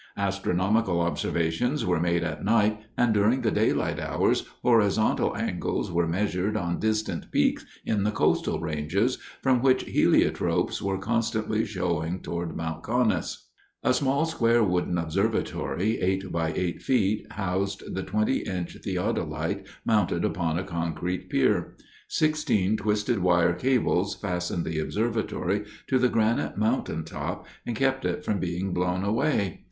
Astronomical observations were made at night, and during the daylight hours horizontal angles were measured on distant peaks in the Coast Ranges from which heliotropes were constantly showing toward Mount Conness. A small square wooden observatory, 8 by 8 feet, housed the 20 inch theodolite mounted upon a concrete pier. Sixteen twisted wire cables fastened the observatory to the granite mountain top and kept it from being blown away.